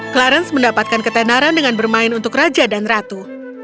clarence mendapatkan ketenaran dengan bermain untuk raja dan ratu